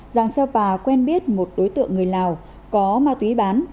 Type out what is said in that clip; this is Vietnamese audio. giàng xeo pà quen biết một đối tượng người lào có ma túy bán